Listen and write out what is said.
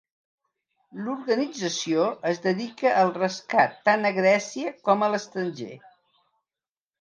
L'organització es dedica al rescat tant a Grècia com a l'estranger.